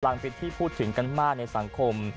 พลังฤทธิ์ที่พูดถึงกันมากในสังคม